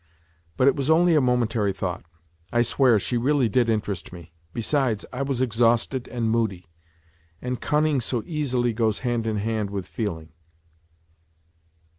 But it was only a momentary thought. I swear she really did interest me. Be sides, I was exhausted and moody. And cunning so easily goes hand in hand with feeling.